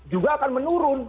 juga akan menurun